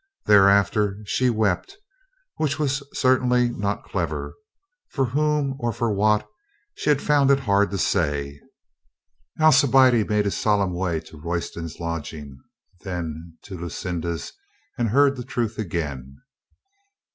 Thereafter she wept, which was cer tainly not clever. For whom or for what she had found it hard to say. Alcibiade made his solemn way first to Royston's lodging, then to Lucinda's and heard the truth again.